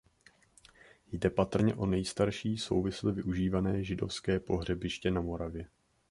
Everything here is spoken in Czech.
Jde patrně o "nejstarší souvisle využívané židovské pohřebiště na Moravě".